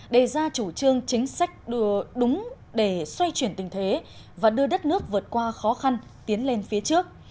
đề ra chủ trương chính sách đúng để xoay chuyển tình thế và đưa đất nước vượt qua khó khăn tiến lên phía trước